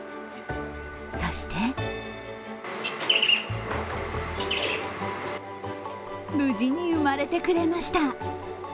そして無事に生まれてくれました。